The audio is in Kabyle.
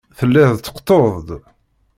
Tellid tqeṭṭuḍ-d.